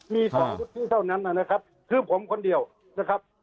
มีสองทุกทิศเท่านั้นคือผมคนเดียวนะครับ